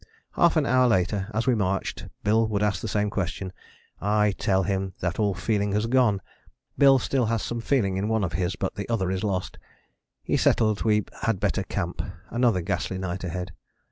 Half an hour later, as we marched, Bill would ask the same question. I tell him that all feeling has gone: Bill still has some feeling in one of his but the other is lost. He settled we had better camp: another ghastly night ahead.